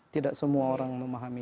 tidak semua orang memahami